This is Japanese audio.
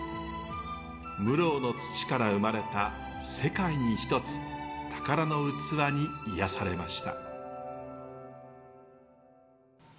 室生の土から生まれた世界に一つ宝の器に癒やされました。